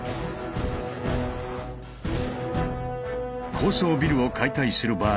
高層ビルを解体する場合